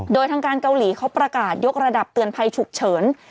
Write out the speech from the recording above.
โดยทางการเกาหลีเขาประกาศยกระดับเตือนภัยฉุกเฉิน